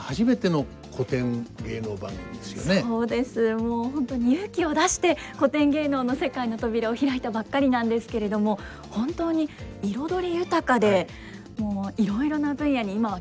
もう本当に勇気を出して古典芸能の世界の扉を開いたばっかりなんですけれども本当に彩り豊かでもういろいろな分野に今は興味津々です。